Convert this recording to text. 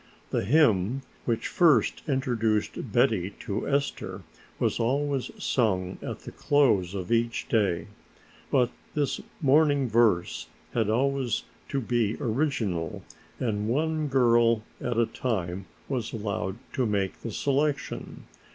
The hymn, which first introduced Betty to Esther was always sung at the close of each day, but this morning verse had always to be original and one girl at a time was allowed to make the selection.